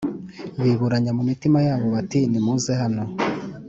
biburanya mu mitima yabo bati nimuze hano